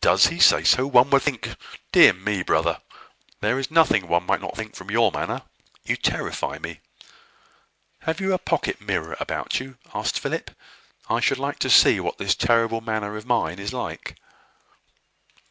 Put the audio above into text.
"Does he say so? one would think Dear me! brother, there is nothing one might not think from your manner. You terrify me." "Have you a pocket mirror about you?" asked Philip. "I should like to see what this terrible manner of mine is like."